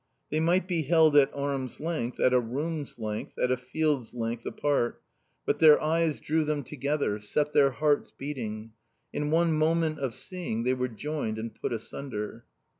They might be held at arm's length, at a room's length, at a field's length apart, but their eyes drew them together, set their hearts beating; in one moment of seeing they were joined and put asunder.